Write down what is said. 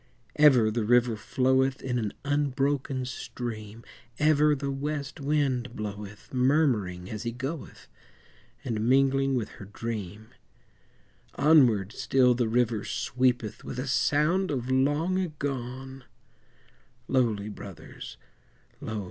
Ever the river floweth In an unbroken stream, Ever the west wind bloweth, Murmuring as he goeth, And mingling with her dream; Onward still the river sweepeth With a sound of long agone; Lowly, Brothers, lo!